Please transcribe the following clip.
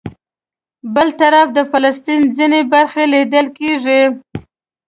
بل طرف د فلسطین ځینې برخې لیدل کېږي.